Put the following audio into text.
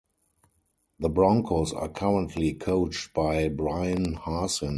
The Broncos are currently coached by Bryan Harsin.